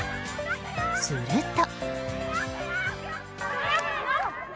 すると。